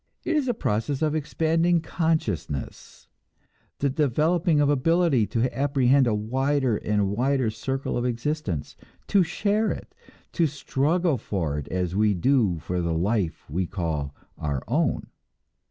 It is a process of expanding consciousness; the developing of ability to apprehend a wider and wider circle of existence, to share it, to struggle for it as we do for the life we call our "own."